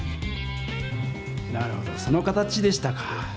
なるほどその形でしたか！